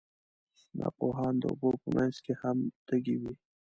ناپوهان د اوبو په منځ کې هم تږي وي.